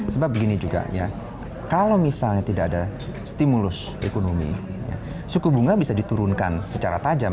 sebab begini juga ya kalau misalnya tidak ada stimulus ekonomi suku bunga bisa diturunkan secara tajam